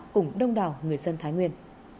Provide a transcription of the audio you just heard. cùng đông đảo người dân thái nguyên